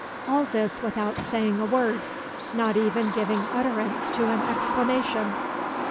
All this without saying a word not even giving utterance to an exclamation!